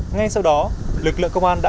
ngay sau đó lực lượng công an đã